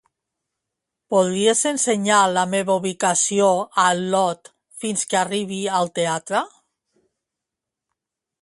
Podries ensenyar la meva ubicació a l'Ot fins que arribi al teatre?